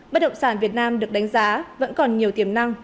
bất động sản việt nam được đánh giá vẫn còn nhiều tiềm năng